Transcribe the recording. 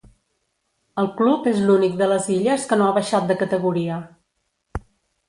El club és l'únic de les illes que no ha baixat de categoria.